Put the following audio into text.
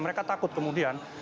mereka takut kemudian